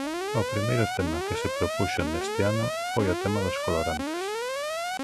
O primeiro tema que se propuxo neste ano, foi o tema dos colorantes.